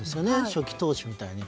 初期投資みたいに。